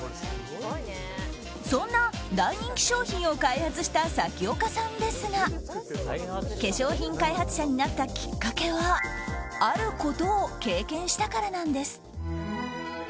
そんな大人気商品を開発した咲丘さんですが化粧品開発者になったきっかけはあることを経験したからなんです。